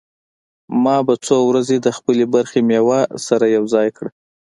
ما به څو ورځې د خپلې برخې مېوه سره يوځاى کړه.